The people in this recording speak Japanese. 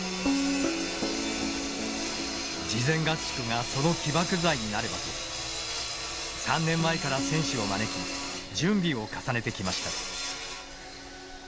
事前合宿がその起爆剤になればと３年前から選手を招き準備を重ねてきました。